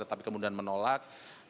tetapi kemudian menolak